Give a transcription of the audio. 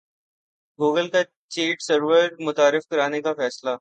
Google کا chat service متعارف کرانے کا فیصلہ